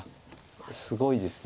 すごいですね。